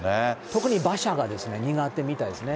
特に馬車が苦手みたいですね。